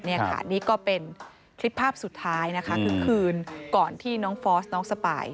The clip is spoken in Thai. นี่ค่ะนี่ก็เป็นคลิปภาพสุดท้ายนะคะคือคืนก่อนที่น้องฟอสน้องสปาย